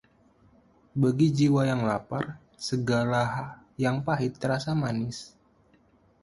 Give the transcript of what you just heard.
bagi jiwa yang lapar, segala yang pahit terasa manis.